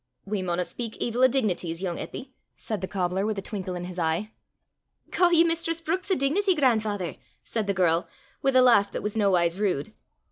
"We maunna speyk evil o' dignities, yoong Eppy!" said the cobbler, with a twinkle in his eye. "Ca' ye mistress Brookes a dignity, gran'father!" said the girl, with a laugh that was nowise rude.